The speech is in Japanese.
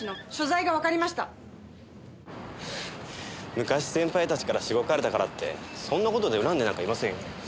昔先輩たちからしごかれたからってそんな事で恨んでなんかいませんよ。